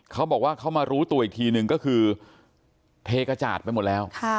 เขาบอกว่าเขามารู้ตัวอีกทีนึงก็คือเทกระจาดไปหมดแล้ว